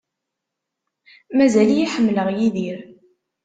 Mazal-iyi ḥemmleɣ Yidir.